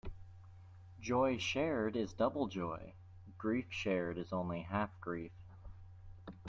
Joy shared is double joy; grief shared is only half grief.